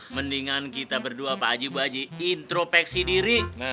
mendingan kita berdua bu haji intropeksi diri